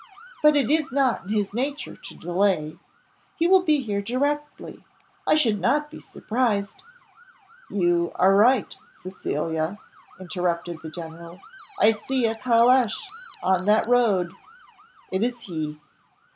But it is not in his nature to delay; he will be here directly I should not be surprised " "You are right, Cecilia," interrupted the general. "I see a caleche on that road. It is he."